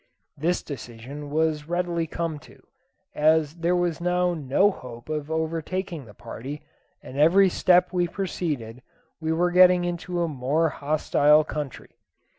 This decision was readily come to, as there was now no hope of overtaking the party, and every step we proceeded we were getting into a more hostile country.